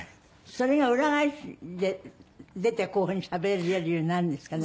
それが裏返しで出てこういうふうにしゃべれるようになるんですかね？